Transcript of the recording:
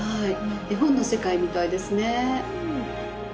絵本の世界みたいですね。